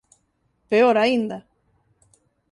Peor aínda.